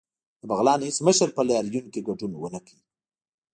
د بغلان هیڅ مشر په لاریون کې ګډون ونکړ